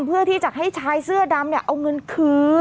เพื่อที่จะให้ชายเสื้อดำเอาเงินคืน